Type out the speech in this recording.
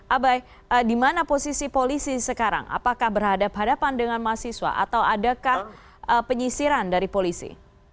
abai di mana posisi polisi sekarang apakah berhadapan hadapan dengan mahasiswa atau adakah penyisiran dari polisi